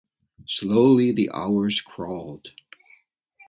Slowly the hours crawled.